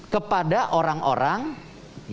kepada orang orang yang